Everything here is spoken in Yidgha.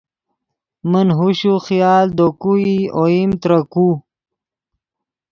من ہوش و خیال دے کو ای اوئیم ترے کو